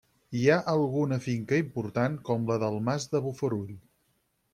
Hi ha alguna finca important, com la del Mas de Bofarull.